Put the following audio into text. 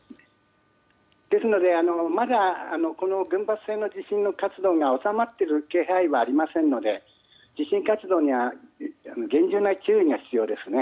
ですのでまだ群発性の地震の活動が収まっている気配はありませんので地震活動には厳重な注意が必要ですね。